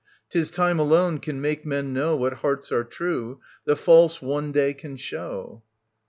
'Tis Time alone can make men know What hearts are true j the false one day can show.